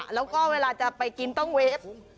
แล้วก็เวลาจะไปกินต้องเวฟ